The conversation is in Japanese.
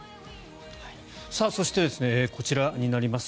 そして、こちらになります。